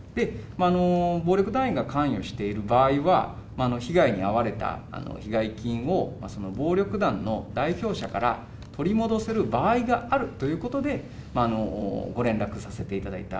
暴力団員が関与している場合は、被害に遭われた被害金を暴力団の代表者から取り戻せる場合があるということで、ご連絡させていただいた。